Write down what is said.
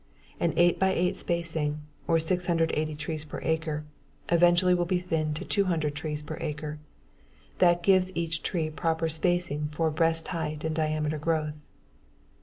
An eight by eight spacing, or 680 trees per acre, eventually will be thinned to 200 trees per acre. That gives each tree proper spacing for best height and diameter growth.